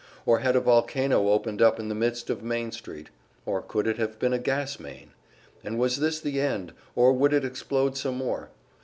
Or had a volcano opened up in the midst of Main Street? Or could it have been a gas main? And was this the end, or would it explode some more?